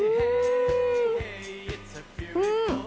うん！